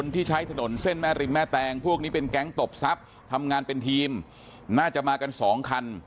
ทำงานเป็นทีมน่าจะมากัน๒คัน